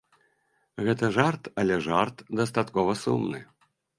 Гэта жарт, але жарт дастаткова сумны.